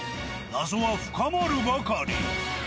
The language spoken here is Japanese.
謎は深まるばかり。